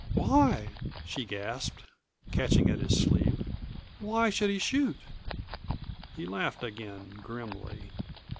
"Why?" she gasped, catching at his sleeve, "why should he shoot?" He laughed again grimly.